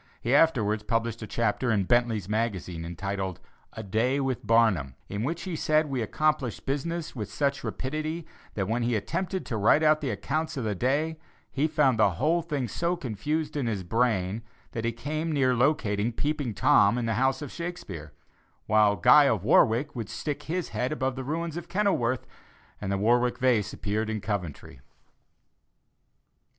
He afterwards published a chapter in Bentley's Magazine entitled "A Day with Barnum," in which he said we accomplished business with such rapidity, that when he attempted to write out the accounts of the day, he found the whole thing so confused in his brain that he came near locating "Peeping Tom" in the house of Shakespeare, while Guy of Warwick would stick his head above the ruins of Kenilworth, and the Warwick Vase appeared in Coventry.